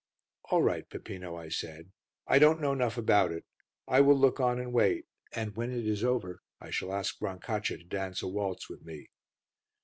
"All right, Peppino," I said. "I don't know enough about it; I will look on and wait, and when it is over I shall ask Brancaccia to dance a waltz with me."